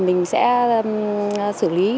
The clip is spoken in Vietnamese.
mình sẽ xử lý